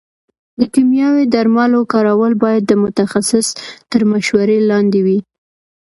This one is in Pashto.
د کيمياوي درملو کارول باید د متخصص تر مشورې لاندې وي.